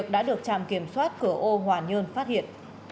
đã được trạm kiểm soát cửa ô hòa nhơn phát hiện